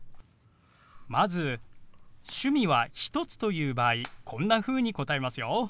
まず趣味は１つという場合こんなふうに答えますよ。